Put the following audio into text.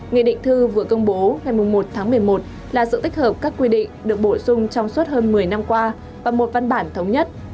nghị định thư vừa công bố ngày một tháng một mươi một là sự tích hợp các quy định được bổ sung trong suốt hơn một mươi năm qua và một văn bản thống nhất